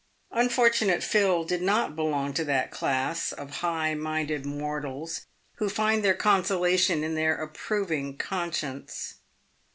Unfortunate Phil did not belong to that class of high minded mortals who find their consola tion in their approving conscience.